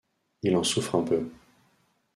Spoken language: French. Il en souffre un peu.